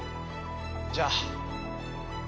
じゃあ。